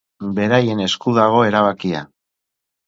Beraien esku dago erabakia.